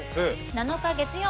７日月曜。